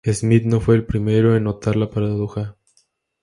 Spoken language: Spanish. Smith no fue el primero en notar la paradoja.